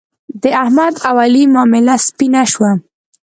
د احمد او علي معامله سپینه شوه.